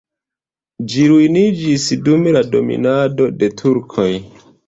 Ĝi ruiniĝis dum dominado de turkoj.